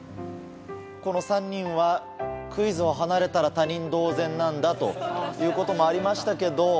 この３人はクイズを離れたら他人同然なんだということもありましたけど